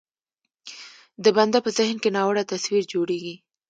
د بنده په ذهن کې ناوړه تصویر جوړېږي.